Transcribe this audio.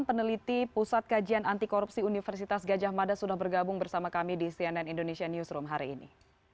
peneliti pusat kajian anti korupsi universitas gajah mada sudah bergabung bersama kami di cnn indonesia newsroom hari ini